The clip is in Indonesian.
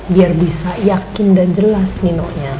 biar bisa yakin dan jelas nino nya